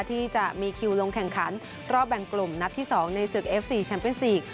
ที่จะมีคิวลงแข่งขันรอบแบ่งกลุ่มนัดที่๒ในศึกเอฟซีแชมเปญซีก